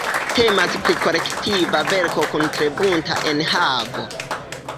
Temas pri kolektiva verko kun tre bunta enhavo.